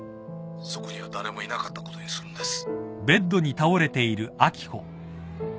そこには誰もいなかったことにするんです